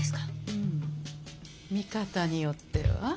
うん見方によっては。